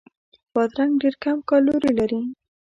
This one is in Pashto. بادرنګ ډېر کم کالوري لري.